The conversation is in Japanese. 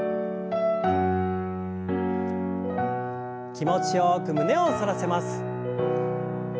気持ちよく胸を反らせます。